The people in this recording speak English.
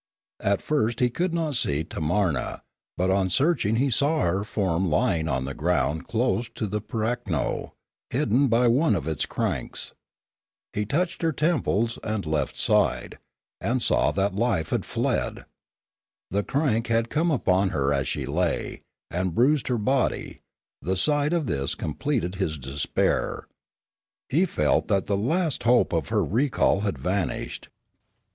At first he could not see Tamarua; but on searching he saw her form lying on the ground close to the pirakno, hidden by one of its cranks. He touched her temples and left side, and saw that life had fled. The crank had come upon her as she lay, and bruised her body; the sight of this completed his despair; he felt that the last hope of her recall had vanished.